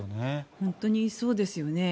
本当にそうですよね。